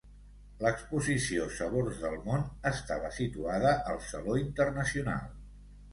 L'exposició 'Sabors del món' estava situada al saló internacional.